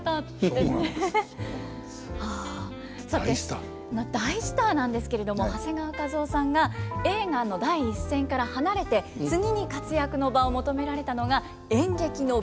そんな大スターなんですけれども長谷川一夫さんが映画の第一線から離れて次に活躍の場を求められたのが演劇の舞台だということなんです。